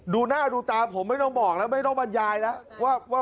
ดูหน้าดูตาผมไม่ต้องบอกแล้วไม่ต้องบรรยายแล้ว